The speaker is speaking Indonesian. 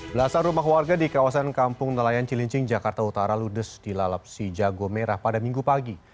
belasan rumah warga di kawasan kampung nelayan cilincing jakarta utara ludes dilalap si jago merah pada minggu pagi